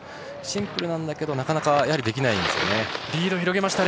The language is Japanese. シンプルなんだけどなかなかできないんですね。